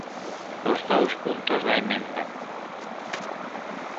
Os dous puntos da emenda.